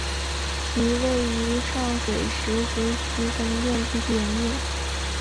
其位于上水石湖墟分店继续营业。